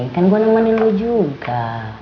kan gue nemenin lo juga